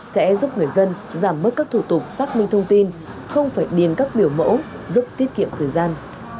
sẽ giúp người dân giảm bớt các thủ tục xác minh thông tin không phải điền các biểu mẫu giúp tiết kiệm thời gian